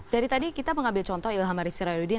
dari tadi kita mengambil contoh ilham arief sirayudin